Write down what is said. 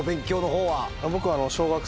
僕。